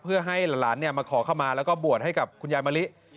เพื่อให้หลานมาขอเข้ามาแล้วก็บวชให้กับคุณยายมะลิ